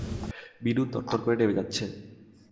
বিনু তরতর করে নেমে যাচ্ছে।